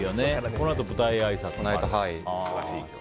このあと舞台あいさつもあって。